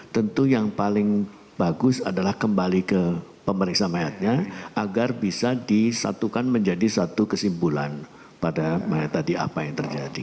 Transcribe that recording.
tentu yang paling bagus adalah kembali ke pemeriksa mayatnya agar bisa disatukan menjadi satu kesimpulan pada tadi apa yang terjadi